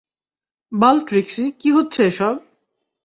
বাল Trixie, কি হচ্ছে এসব?